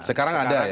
sekarang ada ya